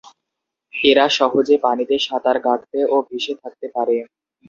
এরা সহজে পানিতে সাঁতার কাটতে ও ভেসে থাকতে পারে।